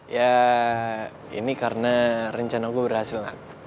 ya ini karena rencana gue berhasil lah